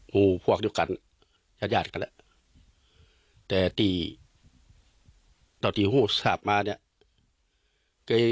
โหพวกเดี๋ยวกันยาดกันแหละแต่ตีตอนที่หัวสถาปมาเนี่ย